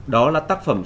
đó là tác phẩm